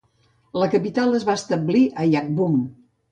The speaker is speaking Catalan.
La capital es va establir a Yagbum.